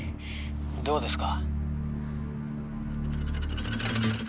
どうですか？